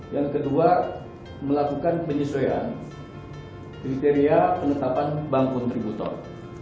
yang kedua melakukan penyesuaian kriteria penetapan bank kontributor